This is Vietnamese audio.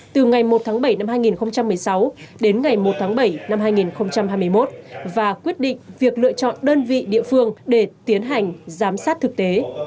từ ngày một tháng bảy năm hai nghìn một mươi sáu đến ngày một tháng bảy năm hai nghìn hai mươi một và quyết định việc lựa chọn đơn vị địa phương để tiến hành giám sát thực tế